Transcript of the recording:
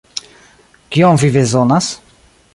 Kion vi bezonas?